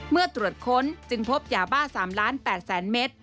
เมื่อตรวจค้นจึงพบยาบ้า๓๘๐๐๐เมตร